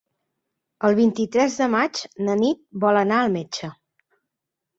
El vint-i-tres de maig na Nit vol anar al metge.